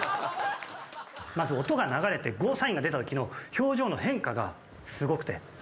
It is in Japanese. まず音が流れてゴーサインが出たときの表情の変化がすごくて。